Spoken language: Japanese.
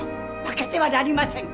負けてはなりません！